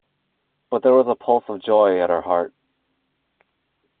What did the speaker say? But there was a pulse of joy at her heart.